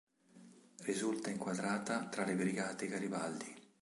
Risulta inquadrata tra le Brigate Garibaldi.